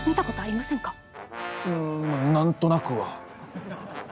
まあ何となくは。